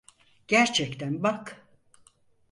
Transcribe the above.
Gerçekten bak.